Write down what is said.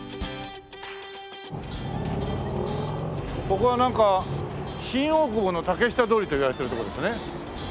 ここはなんか新大久保の竹下通りといわれているとこですね。